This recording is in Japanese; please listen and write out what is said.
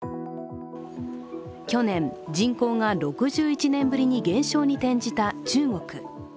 去年、人口が６１年ぶりに減少に転じた中国。